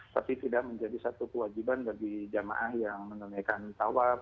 tapi tidak menjadi satu kewajiban bagi jamaah yang menunaikan tawaf